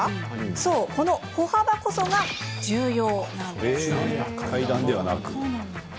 そう、この歩幅こそが重要なんです。